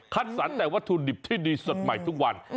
สรรคแต่วัตถุดิบที่ดีสดใหม่ทุกวัน